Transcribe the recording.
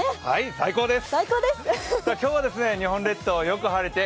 最高です。